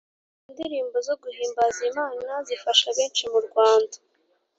indirimbo zo guhimbaza imana zifasha benshi mu rwanda